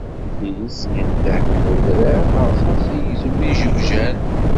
Lučkis yendeh deg udrar, Rsas igezzem ijebjan.